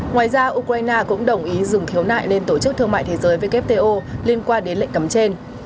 ngoài ra ukraine cũng đồng ý dừng thiếu nại lên tổ chức thương mại thế giới wto liên quan đến lệnh cấm trên